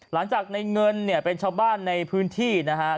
หลังจากในเงินเนี่ยเป็นชาวบ้านในพื้นที่นะครับ